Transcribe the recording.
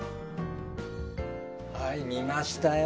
はい見ましたよ。